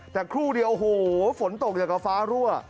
แต่ครู่เดียวโอ้โหฝนตกอย่างกับฟ้ารั่ว